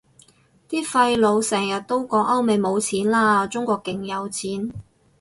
啲廢老成日都講歐美冇錢喇，中國勁有錢